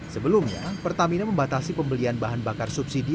sebelumnya pertamina membatasi pembelian bahan bakar subsidi